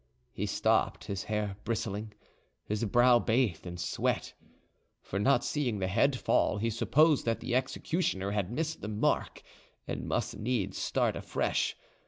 He stopped, his hair bristling, his brow bathed in sweat; for, not seeing the head fall, he supposed that the executioner had missed the mark and must needs start afresh.